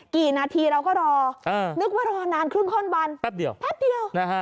กี่นาทีเราก็รอนึกว่ารอนานครึ่งข้อนวันแป๊บเดียวแป๊บเดียวนะฮะ